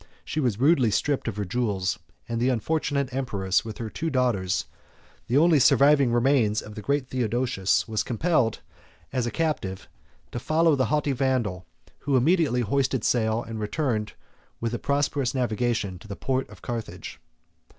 She was rudely stripped of her jewels; and the unfortunate empress, with her two daughters, the only surviving remains of the great Theodosius, was compelled, as a captive, to follow the haughty Vandal; who immediately hoisted sail, and returned with a prosperous navigation to the port of Carthage.